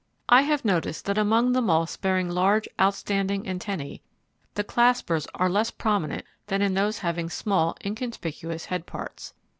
I have noticed that among the moths bearing large, outstanding antennae, the claspers are less prominent than with those having small, inconspicuous head parts.